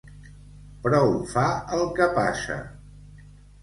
Prou fa el que passa.